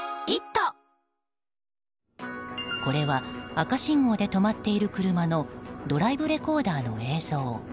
これは赤信号で止まっている車のドライブレコーダーの映像。